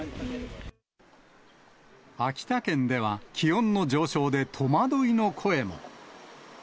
秋田県では、気温の上昇で戸惑いの声も。